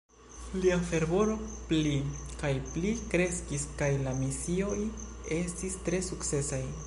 Lia fervoro pli kaj pli kreskis kaj la misioj estis tre sukcesaj.